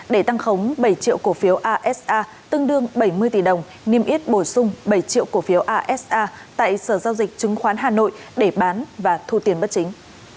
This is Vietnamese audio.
để tăng khống bảy triệu cổ phiếu asa tương đương bảy mươi tỷ đồng niêm yết bổ sung bảy triệu cổ phiếu asa tại sở giao dịch chứng khoán hà nội để bán và thu tiền bất chính